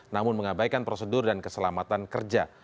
namun mengabaikan prosedur dan keselamatan kerja